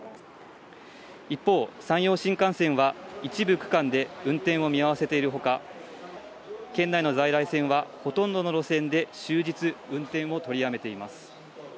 一方、山陽新幹線は一部区間で運転を見合わせているほか、県内の在来線はほとんどの路線で終日運転を取りやめています。